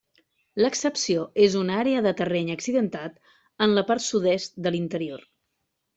L'excepció és una àrea de terreny accidentat en la part sud-est de l'interior.